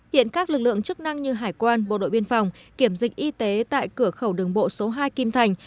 hiện các lực lượng chức năng như hải quan bộ đội biên phòng kiểm dịch y tế tại cửa khẩu đường bộ số hai kim thành